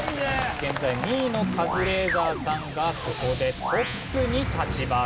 現在２位のカズレーザーさんがここでトップに立ちます。